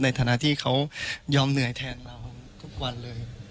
ในฐานะที่เขายอมเหนื่อยแทนเราทุกวันเลย